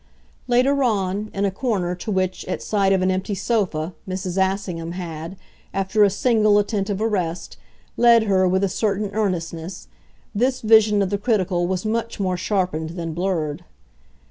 Later on, in a corner to which, at sight of an empty sofa, Mrs. Assingham had, after a single attentive arrest, led her with a certain earnestness, this vision of the critical was much more sharpened than blurred.